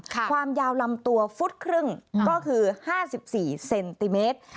ความยาวลำตัวฟุตครึ่งก็คือ๕๔เซนติเมตร